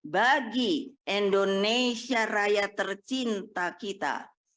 bagi indonesia raya tercinta kita